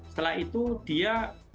setelah itu dia